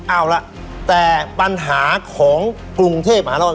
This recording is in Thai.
เอาละแต่ปัญหาของกรุงเทพหล่อน